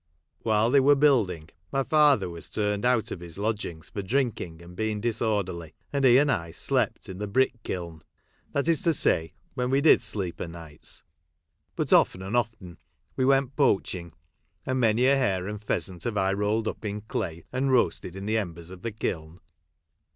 While they were building my father was turned out of his lodgings for drinking and being disorderly, and he and I slept in the brick kiln ; that is to say, when we did sleep o' nights ; but, 326 HOUSEHOLD WOKDS. [Conducted by often and often, we went poaching ; and many a hare and pheasant have I rolled up in clay, and roasted in the embers of the kiln.